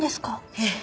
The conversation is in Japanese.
ええ。